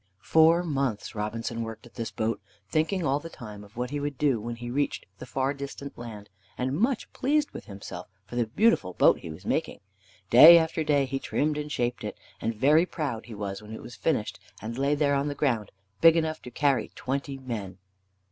Four months Robinson worked at this boat, thinking all the time of what he would do when he reached the far distant land, and much pleased with himself for the beautiful boat he was making. Day after day he trimmed and shaped it, and very proud he was when it was finished and lay there on the ground, big enough to carry twenty men.